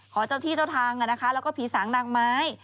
เจ้าที่เจ้าทางแล้วก็ผีสางนางไม้